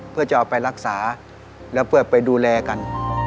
เพื่อจะเอาไปรักษาแล้วเพื่อไปดูแลกัน